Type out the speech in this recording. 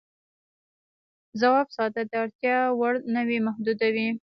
ځواب ساده دی، اړتیا وړ نوعې محدودې وې.